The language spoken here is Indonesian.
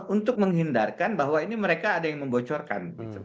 untuk menghindarkan bahwa ini mereka ada yang membocorkan